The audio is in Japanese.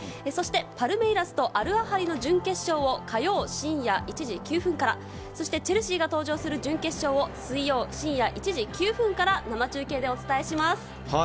そしてパルメイラスとアルアハリの準決勝を火曜深夜１時９分からそしてチェルシーが登場する準決勝を水曜深夜１時９分から生中継でお伝えします。